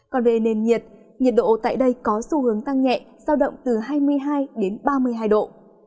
còn về nền nhiệt độ tại đây có xu hướng tăng nhẹ giao động từ hai mươi hai đến ba mươi hai độ